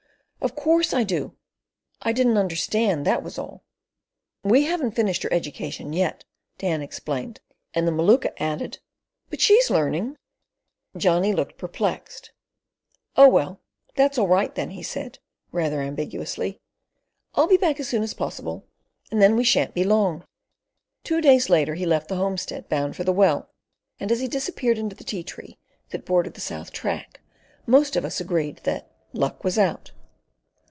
"Of course I do; I didn't understand, that was all." "We haven't finished her education yet," Dan explained, and the Maluka added, "But she's learning." Johnny looked perplexed. "Oh, well! That's all right, then," he said, rather ambiguously. "I'll be back as soon as possible, and then we shan't be long." Two days later he left the homestead bound for the well, and as he disappeared into the Ti Tree that bordered the south track, most of us agreed that "luck was out."